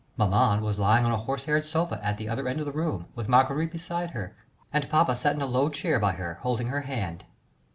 Maman was lying on a horse hair sofa at the other end of the room, with Marguerite beside her, and papa sat in a low chair by her side holding her hand.